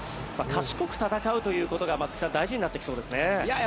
賢く戦うということが松木さん大事になってきそうですね。